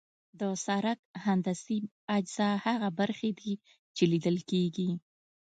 د سرک هندسي اجزا هغه برخې دي چې لیدل کیږي